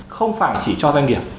không phải chỉ cho doanh nghiệp